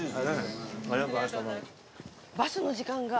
バスの時間が。